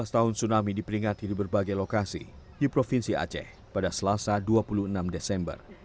tujuh belas tahun tsunami diperingati di berbagai lokasi di provinsi aceh pada selasa dua puluh enam desember